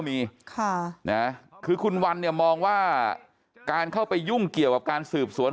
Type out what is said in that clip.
มีค่ะนะคือคุณวันเนี่ยมองว่าการเข้าไปยุ่งเกี่ยวกับการสืบสวน